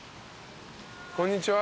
こんにちは。